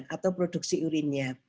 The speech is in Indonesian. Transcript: atau produksi urinnya